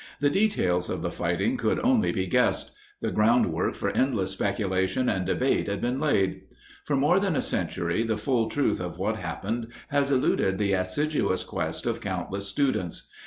The details of the fighting could only be guessed. The groundwork for endless specula tion and debate had been laid. For more than a century the full truth of what happened has eluded the assiduous quest of countless students.